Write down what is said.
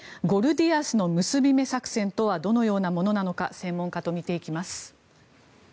ゴルディアスの結び目作戦とはどのようなものなのか専門家と見ていきます。